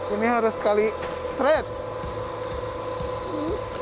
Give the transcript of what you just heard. ini harus sekali straight